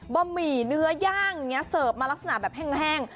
บะหมี่เนื้อย่างเซิร์ฟมาลักษณะแห้ง